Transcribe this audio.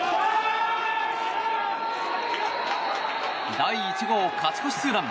第１号勝ち越しツーラン。